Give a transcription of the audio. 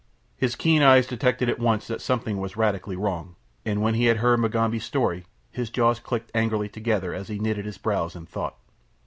His keen eyes detected at once that something was radically wrong, and when he had heard Mugambi's story his jaws clicked angrily together as he knitted his brows in thought.